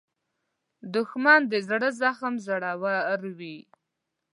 دښمن د زړه زخم زوړوي